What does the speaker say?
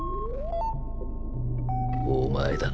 お前だな。